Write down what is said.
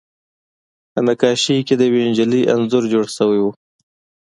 په نقاشۍ کې د یوې نجلۍ انځور جوړ شوی و